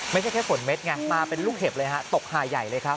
ไม่ใช่แค่ฝนเม็ดไงมาเป็นลูกเห็บเลยฮะตกหาใหญ่เลยครับ